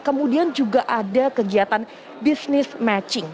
kemudian juga ada kegiatan business matching